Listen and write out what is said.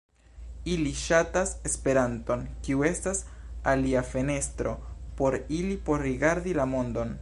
Ili ŝatas Esperanton, kiu estas alia fenestro por ili por rigardi la mondon.